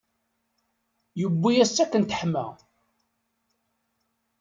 Yewwi-yas-tt akken teḥma.